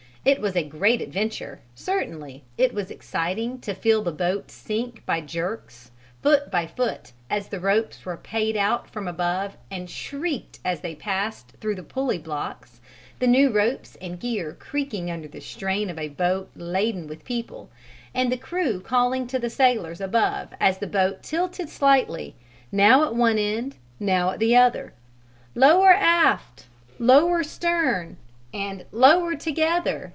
It was a great adventure, certainly: it was exciting to feel the boat sink by jerks, foot by foot, as the ropes were paid out from above and shrieked as they passed through the pulley blocks, the new ropes and gear creaking under the strain of a boat laden with people, and the crew calling to the sailors above as the boat tilted slightly, now at one end, now at the other, "Lower aft!" "Lower stern!" and "Lower together!"